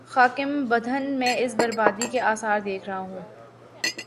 خاکم بدہن، میں اس بر بادی کے آثار دیکھ رہا ہوں۔